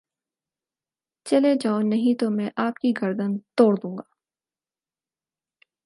چلے جاؤ نہیں تو میں آپ کی گردن تڑ دوں گا